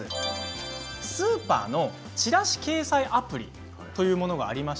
スーパーのちらし掲載アプリというものがあります。